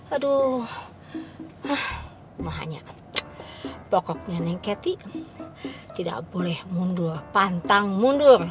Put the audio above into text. aduh mahanya bokoknya nih kathy tidak boleh mundur pantang mundur